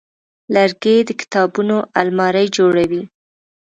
لرګی د کتابونو المارۍ جوړوي.